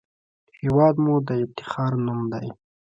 هېواد مو د افتخار نوم دی